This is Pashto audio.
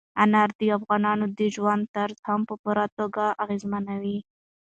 انار د افغانانو د ژوند طرز هم په پوره توګه اغېزمنوي.